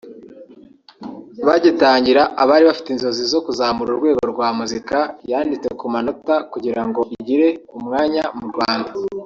Bagitangira abari bafite inzozi zo kuzamura urwego rwa muzika yanditse ku manota kugirango igire umwanya mu Rwanda